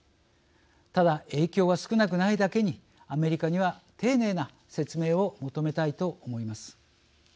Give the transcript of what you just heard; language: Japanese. ただ、影響は少なくないだけにアメリカには丁寧な説明を求めたいと思います。